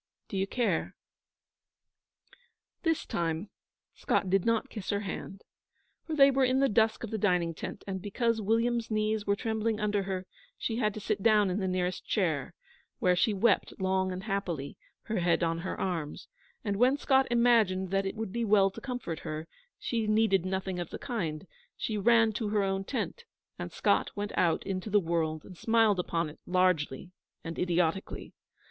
D'you care?' This time Scott did not kiss her hand, for they were in the dusk of the dining tent, and, because William's knees were trembling under her, she had to sit down in the nearest chair, where she wept long and happily, her head on her arms; and when Scott imagined that it would be well to comfort her, she needed nothing of the kind; she ran to her own tent; and Scott went out into the world, and smiled upon it largely and idiotically.